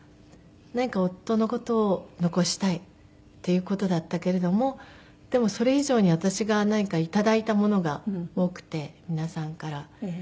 何か夫の事を残したいっていう事だったけれどもでもそれ以上に私が何か頂いたものが多くて皆さんから。